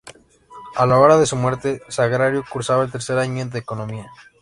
A la hora de su muerte Sagrario cursaba el tercer año de Economía.